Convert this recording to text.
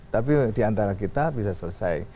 tapi di antara kita bisa selesai